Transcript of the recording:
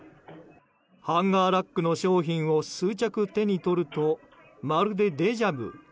ハンガーラックの商品を数着、手に取るとまるでデジャブ。